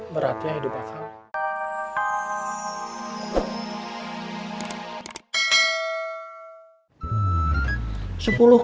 berarti hidup acing